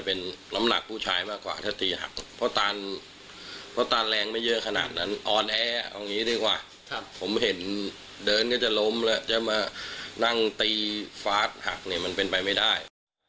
เอาอย่างนี้ดีกว่าผมเห็นเดินก็จะล้มแล้วจะมานั่งตีฟ้าศหักนี่มันเป็นไปไม่ได้